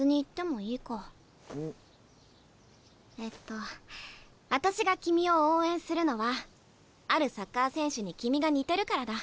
えっとあたしが君を応援するのはあるサッカー選手に君が似てるからだ。